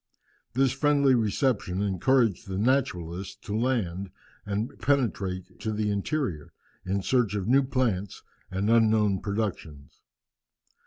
This friendly reception encouraged the naturalists to land and penetrate to the interior, in search of new plants and unknown productions.